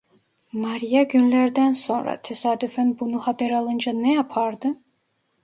Maria günlerden sonra, tesadüfen bunu haber alınca ne yapardı?